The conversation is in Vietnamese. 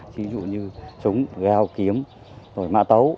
ví dụ như súng gao kiếm mạ tấu